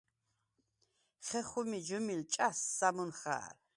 ხეხუ̂მი ჯჷმილ ჭა̈შს სა̈მუნ ხა̄რ.